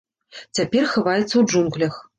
Цяпер хаваецца ў джунглях.